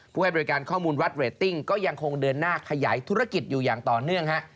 ให้บริการข้อมูลวัดเรตติ้งก็ยังคงเดินหน้าขยายธุรกิจอยู่อย่างต่อเนื่องฮะ